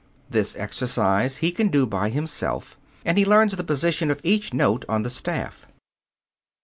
This exercise he can do by himself, and he learns the position of each note on the staff.